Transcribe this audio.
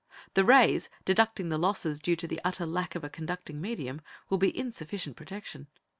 The rays, deducting the losses due to the utter lack of a conducting medium, will be insufficient protection.